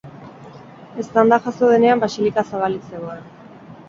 Eztanda jazo denean basilika zabalik zegoen.